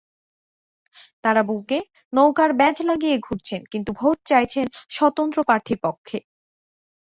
তাঁরা বুকে নৌকার ব্যাজ লাগিয়ে ঘুরছেন, কিন্তু ভোট চাইছেন স্বতন্ত্র প্রার্থীর পক্ষে।